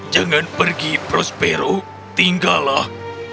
jangan pergi prospero tinggallah